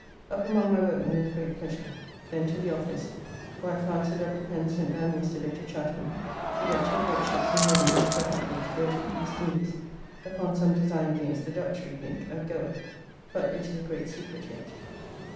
Up among my workmen with great pleasure. Then to the office, where I found Sir W. Pen sent down yesterday to Chatham to get two great ships in readiness presently to go to the East Indies upon some design against the Dutch, we think, at Goa but it is a great secret yet.